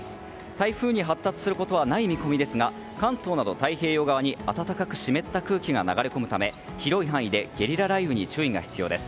台風に発達することはない見込みですが関東など太平洋側に暖かく湿った空気が流れ込むため、広い範囲でゲリラ雷雨に注意が必要です。